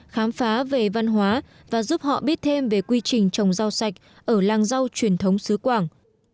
khám phá về văn hóa và giúp họ biết thêm về quy trình trồng rau sạch ở làng rau truyền thống xứ quảng